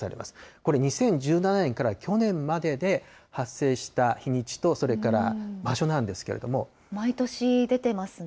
これ、２０１７年から去年までで発生した日にちと、それから場所なんで毎年出てますね。